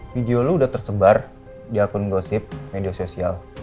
video lo sudah tersebar di akun gosip media sosial